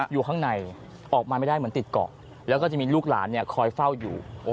อยู่ข้างในออกมาไม่ได้เหมือนติดเกาะแล้วก็จะมีลูกหลานคอยเฝ้าอยู่